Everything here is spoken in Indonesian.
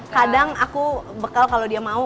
kadang aku bekal kalau dia mau